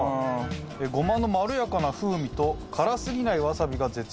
ごまのまろやかな風味と辛すぎないわさびが絶妙にマッチ。